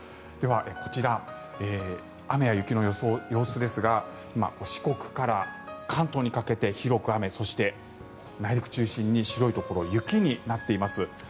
では、こちら雨や雪の様子ですが四国から関東にかけて広く雨そして、内陸中心に白いところ、雪になっています。